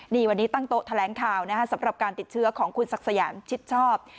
นี่วันนี้ตั้งโต๊ะแถลงข่าวนะฮะสำหรับการติดเชื้อของคุณศักดิ์สยามชิดชอบ